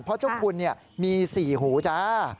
เพราะเจ้าคุณมี๔หูจ้า